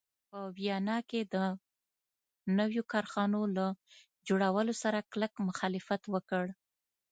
په ویانا کې د نویو کارخانو له جوړولو سره کلک مخالفت وکړ.